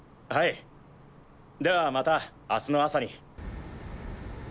はいではまた明日の朝に。